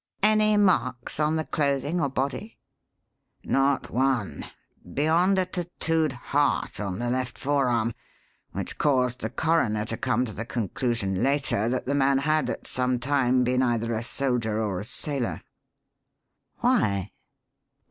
"Any marks on the clothing or body?" "Not one beyond a tattooed heart on the left forearm, which caused the coroner to come to the conclusion later that the man had at some time been either a soldier or a sailor." "Why?"